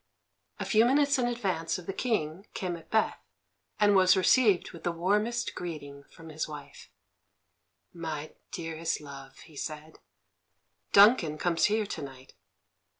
A few minutes in advance of the King came Macbeth, and was received with the warmest greeting from his wife. "My dearest love," he said, "Duncan comes here to night."